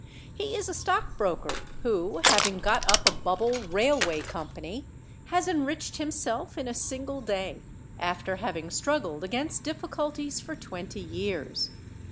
He is a stockbroker who, having got up a bubble Railway Company, has enriched himself in a single day, after having struggled against difficulties for twenty years.